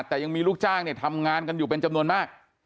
คงมีลูกจ้างทำงานกันอยู่เป็นจำนวนมาก